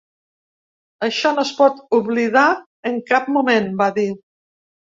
Això no es pot oblidar en cap moment, va dir.